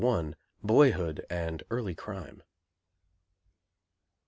_Boyhood and Early Crime.